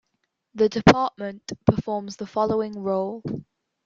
The Department performs the following role.